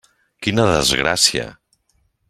Quina desgràcia!